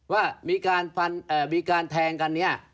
ว่ามีการแทงกันเนี่ย